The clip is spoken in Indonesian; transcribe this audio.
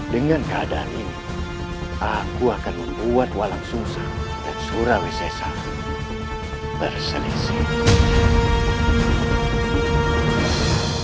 dengan keadaan ini aku akan membuat walang sungsang dan surawese salam berselisih